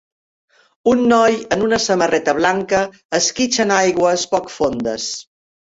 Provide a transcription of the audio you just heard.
Un noi en una samarreta blanca esquitxa en aigües poc fondes.